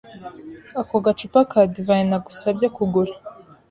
Ako gacupa ka divayi nagusabye kugura.